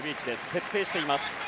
徹底しています。